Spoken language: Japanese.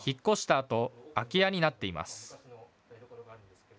あと空き家になっています。